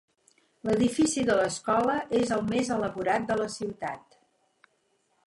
L"edifici de l"escola és el més elaborat de la ciutat.